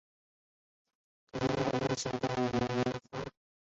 膦有时也专指磷化氢。